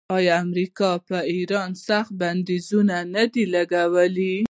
آیا امریکا پر ایران سخت بندیزونه نه دي لګولي؟